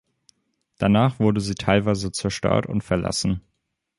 Danach wurde sie teilweise zerstört und verlassen.